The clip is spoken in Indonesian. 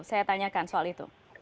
saya tanyakan soal itu